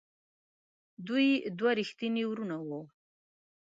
دوی دوه ریښتیني وروڼه وو.